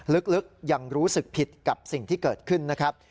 ลึกยังรู้สึกผิดกับสิ่งที่เกิดขึ้นนะครับ